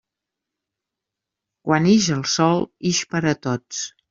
Quan ix el sol, ix per a tots.